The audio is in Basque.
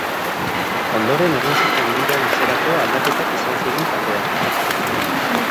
Ondoren egin zuten bira luzerako aldaketak izan ziren taldean.